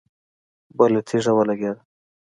بله تيږه ولګېده.